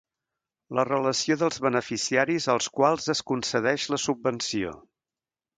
La relació dels beneficiaris als quals es concedeix la subvenció.